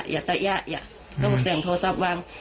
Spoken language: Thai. อย่าตะยะอย่าต้องเสี่ยงโทรศัพท์วาง